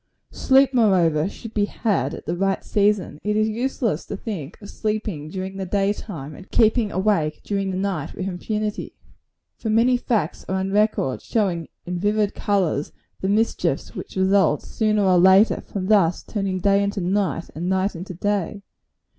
Sleep, moreover, should be had at the right season. It is useless to think of sleeping during the day time, and keeping awake during the night, with impunity. For many facts are on record, showing in vivid colors the mischiefs which result, sooner or later, from thus turning day into night, and night into day.